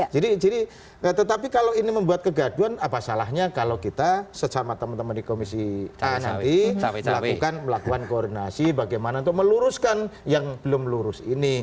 jadi tetapi kalau ini membuat kegaduan apa salahnya kalau kita sesama teman teman di komisi a nanti melakukan koordinasi bagaimana untuk meluruskan yang nanti